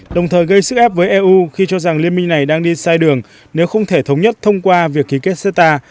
đồng thời gây sức ép với eu khi cho rằng liên minh này đang đi sai đường nếu không thể thống nhất thông qua việc ký kết seta